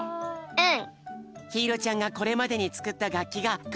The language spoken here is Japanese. うん！